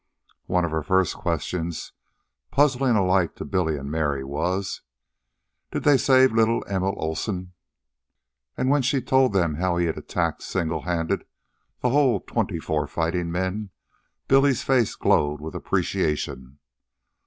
One of her first questions, puzzling alike to Billy and Mary, was: "Did they save little Emil Olsen?" And when she told them how he had attacked, singlehanded, the whole twenty four fighting men, Billy's face glowed with appreciation.